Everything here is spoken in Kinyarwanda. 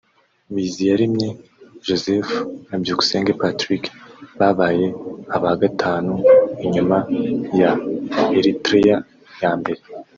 Biziyaremye Joseph na Byukusenge Patrick babaye aba gatanu inyuma ya Eritrea ya mbere